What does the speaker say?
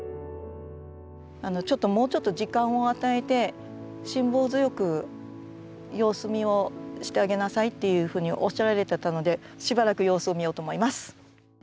ちょっともうちょっと時間を与えて辛抱強く様子見をしてあげなさいっていうふうにおっしゃられてたのでしばらく様子を見ようと思います。